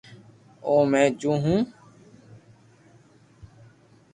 او مي جو ھون